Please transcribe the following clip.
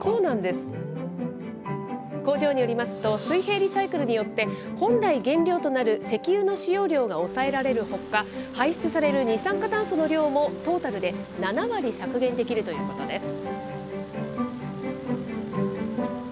工場によりますと、水平リサイクルによって、本来、原料となる石油の使用量が抑えられるほか、排出される二酸化炭素の量もトータルで７割削減できるということです。